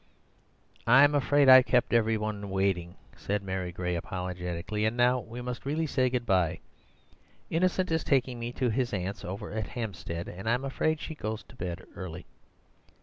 "I'm afraid I've kept everything waiting," said Mary Gray apologetically, "and now we must really say good bye. Innocent is taking me to his aunt's over at Hampstead, and I'm afraid she goes to bed early."